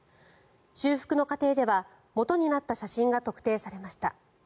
修復の過程ではもとになった写真が特定されました。